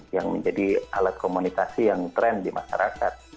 yang menjadi alat komunikasi yang trend di masyarakat